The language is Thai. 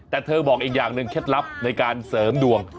แต่เธอบอกอีกอย่างหนึ่งเคล็ดลับในการเสริมดวง